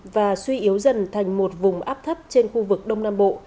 và suy yếu dần thành một vùng áp thấp trên khu vực đông nam bộ